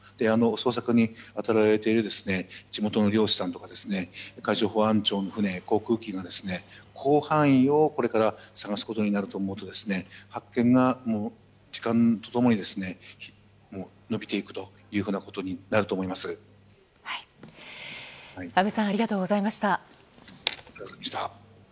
捜索に当たっている地元の漁師さんとか海上保安庁の船、航空機が広範囲をこれから探すことになると思うと発見が時間と共に延びていくというふうな安倍さんありがとうございました。